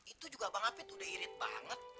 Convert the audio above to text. itu juga bang hafid udah irit banget